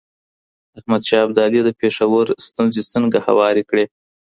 احمد شاه ابدالي د پېښور ستونزې څنګه هوارې کړې؟